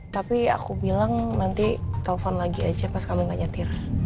tapi aku bilang nanti telepon lagi aja pas kamu gak nyetir